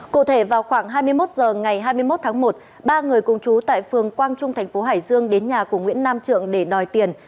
cụ thể vào khoảng hai mươi một h ngày hai mươi một tháng một ba người cùng chú tại phường quang trung thành phố hải dương đến nhà của nguyễn nam trượng để đòi tiền